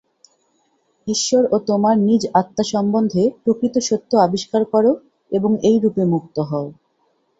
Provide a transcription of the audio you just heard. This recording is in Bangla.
ঈশ্বর ও তোমার নিজ আত্মা সম্বন্ধে প্রকৃত সত্য আবিষ্কার কর এবং এইরূপে মুক্ত হও।